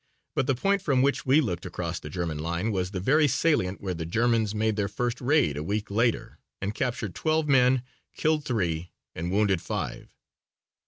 But the point from which we looked across to the German line was the very salient where the Germans made their first raid a week later and captured twelve men, killed three, and wounded five.